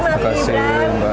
terima kasih mbak